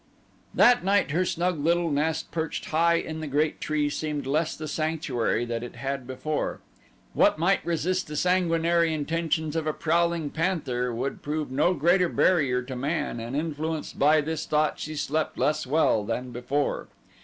That night her snug little nest perched high in the great tree seemed less the sanctuary that it had before. What might resist the sanguinary intentions of a prowling panther would prove no great barrier to man, and influenced by this thought she slept less well than before.